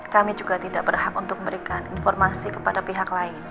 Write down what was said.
kami juga tidak berhak untuk memberikan informasi kepada pihak lain